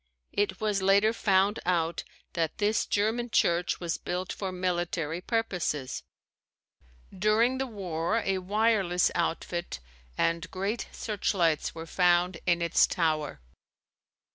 It was later found out that this German church was built for military purposes. During the war a wireless outfit and great searchlights were found in its tower.